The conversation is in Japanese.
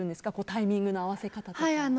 タイミングの合わせ方とか。